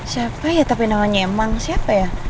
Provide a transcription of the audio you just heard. siapa ya tapi namanya emang siapa ya